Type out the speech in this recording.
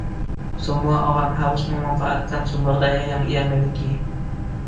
Semua orang harus memanfaatkan sumber daya yang ia miliki.